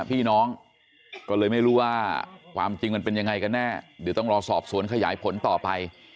พี่น้องก็เลยไม่รู้ว่าความจริงมันเป็นยังไงกันแน่เดี๋ยวต้องรอสอบสวนขยายผลต่อไป